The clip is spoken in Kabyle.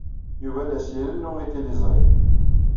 Yuba la as-irennu i tliẓri.